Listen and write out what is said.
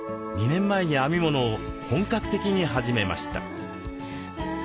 ２年前に編み物を本格的に始めました。